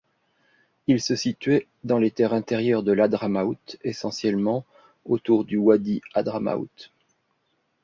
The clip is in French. Il se situait dans les terres intérieures de l'Hadramaout, essentiellement autour du Wadi Hadramaout.